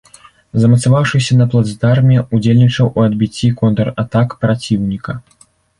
Замацаваўшыся на плацдарме, удзельнічаў у адбіцці контратак праціўніка.